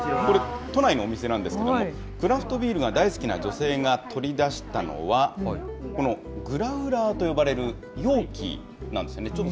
これ、都内のお店なんですけれども、クラフトビールが大好きな女性が取り出したのは、このグラウラーと呼ばれる容器なんですよね。